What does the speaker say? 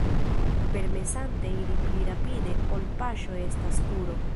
Permesante iri pli rapide ol paŝo estas kuro.